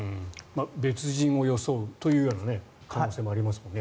別人を装うという可能性もありますもんね。